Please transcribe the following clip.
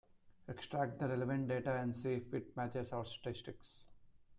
Extract the relevant data and see if it matches our statistics.